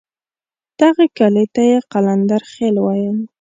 دغه کلي ته یې قلندرخېل ویل.